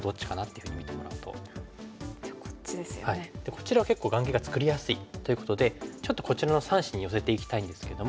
こちらは結構眼形が作りやすい。ということでちょっとこちらの３子に寄せていきたいんですけども。